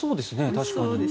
確かに。